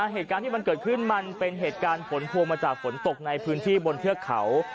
เหตุการณ์ที่มันเกิดขึ้นมันเป็นเหตุการณ์ผลพวงมาจากฝนตกในพื้นที่บนเทือกเขา